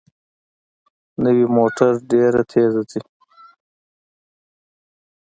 نوې موټر ډېره تېزه ځي